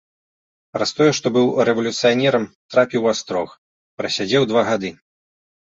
Праз тое, што быў рэвалюцыянерам, трапіў у астрог, прасядзеў два гады.